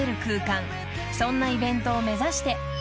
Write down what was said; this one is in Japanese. ［そんなイベントを目指して］